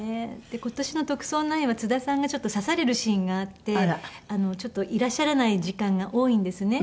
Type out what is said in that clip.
今年の『特捜９』は津田さんが刺されるシーンがあっていらっしゃらない時間が多いんですね。